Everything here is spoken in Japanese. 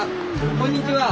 こんにちは。